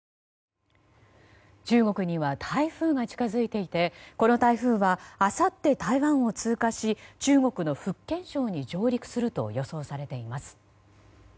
中国には台風が近づいていてこの台風はあさって台湾を通過し中国の福建省に上陸すると予想されています。